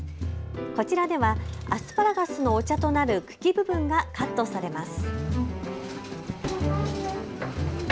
こちらではアスパラガスのお茶となる茎部分がカットされます。